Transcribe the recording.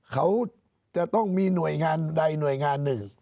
เขาจะต้องมีหน่วยงานใดหน่วยงานหนึ่ง